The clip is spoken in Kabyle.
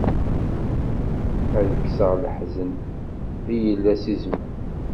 Ad kkseɣ leḥzen, i yella si zzman.